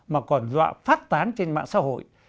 mà còn dọa phát tán trên mạng xã hội